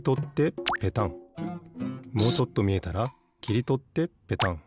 もうちょっとみえたらきりとってペタン。